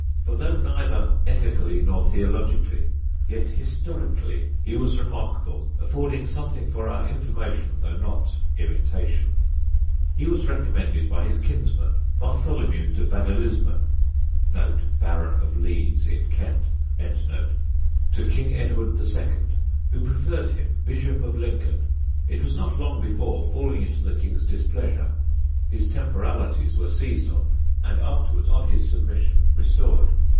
For though neither Ethically nor Theologically, yet Historically he was remarkable, affording something for our Information though not Imitation. "He was recommended by his kinsman Bartholomew de Badilismer (Baron of Leeds in Kent) to King Edward the second, who preferred him Bishop of Lincoln. It was not long before, falling into the King's displeasure, his Temporalities were seized on, and afterwards on his submission restored.